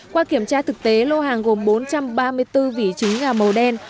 qua kiểm tra thực tế lô hàng gồm bốn trăm ba mươi bốn vỉ trứng gà màu đen